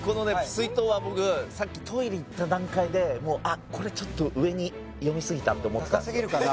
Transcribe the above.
水筒は僕さっきトイレ行った段階でこれちょっと上に読みすぎたと思ってたんですよ